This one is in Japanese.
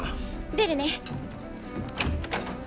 出るね。